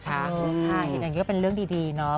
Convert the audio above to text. ใช่อย่างนี้ก็เป็นเรื่องดีเนาะ